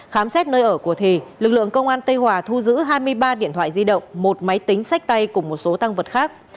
khám xét nơi ở của thì lực lượng công an tây hòa thu giữ hai mươi ba điện thoại di động một máy tính sách tay cùng một số tăng vật khác